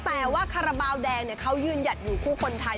แต่ว่าคาราบาลแดงเขายืนหยัดอยู่คู่คนไทย